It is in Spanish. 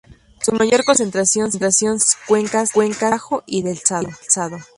Su mayor concentración se da en las cuencas del Tajo y del Sado.